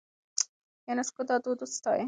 يونيسکو دا دود وستايه.